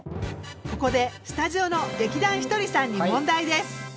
ここでスタジオの劇団ひとりさんに問題です。